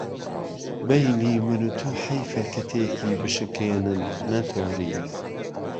بهینی من و تۆ حهیفه که تێکی بشکێنن، نهتۆری